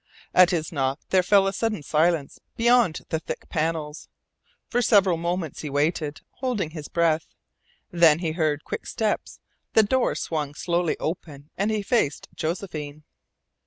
At his knock there fell a sudden silence beyond the thick panels. For several moments he waited, holding his breath. Then he heard quick steps, the door swung slowly open, and he faced Josephine.